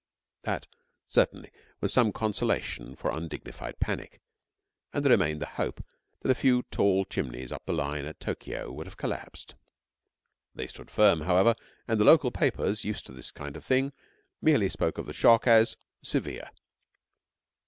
That, certainly, was some consolation for undignified panic; and there remained the hope that a few tall chimneys up the line at Tokio would have collapsed. They stood firm, however, and the local papers, used to this kind of thing, merely spoke of the shock as 'severe.'